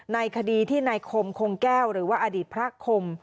ในคดีที่นายคมคงแก้วหรือว่าอดีตพระคม